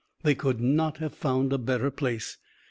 They could not have found a better place.